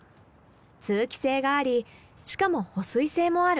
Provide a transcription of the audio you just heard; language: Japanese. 通気性がありしかも保水性もある。